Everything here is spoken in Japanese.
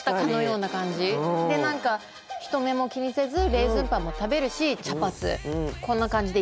で何か人目も気にせずレーズンパンも食べるし茶髪こんな感じでいきます。